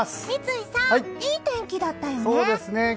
三井さん、いい天気だったよね。